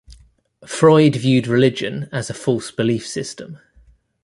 Freud viewed religion as a false belief system.